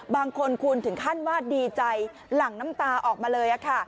บางคนหวุ่นคุณขั้นวาดดีใจหลั่งน้ำตาออกมาเลย